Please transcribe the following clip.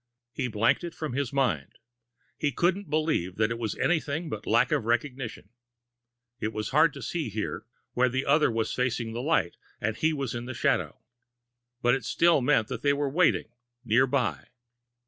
He blanked it from his mind. He couldn't believe that it was anything but lack of recognition. It was hard to see here, where the other was facing the light, and he was in the shadow. But it still meant that they were waiting, nearby.